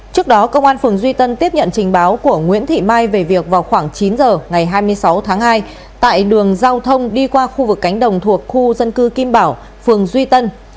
trước đó công an phường duy tân tiếp nhận trình báo của nguyễn thị mai về việc vào khoảng chín h ngày hai mươi sáu tháng hai tại đường giao thông đi qua khu vực cánh đồng thuộc khu dân cư kim bảo phường duy tân